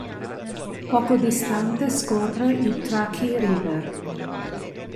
Poco distante scorre il Truckee River.